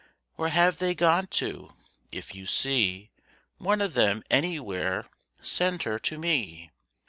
Where have they gone to? If you see One of them anywhere send her to me.